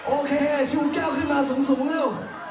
โอเคชูแก้วขึ้นมาสูงเร็ว